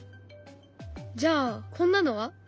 じゃあこんなのは？